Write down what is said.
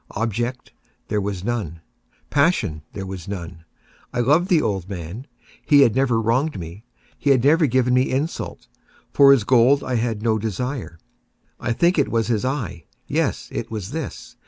Object there was none. Passion there was none. I loved the old man. He had never wronged me. He had never given me insult. For his gold I had no desire. I think it was his eye! yes, it was this!